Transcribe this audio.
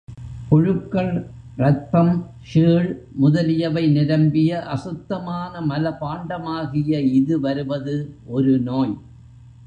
புழுக்கள், ரத்தம், சீழ் முதலியவை நிரம்பிய அசுத்தமான மலபாண்டமாகிய இது வருவது ஒரு நோய்.